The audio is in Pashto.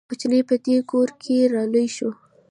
کوچنی په دې کور کې را لوی شوی.